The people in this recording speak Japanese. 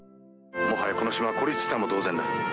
もはや、この島は孤立したも同然だ。